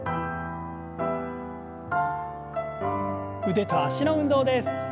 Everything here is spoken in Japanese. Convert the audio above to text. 腕と脚の運動です。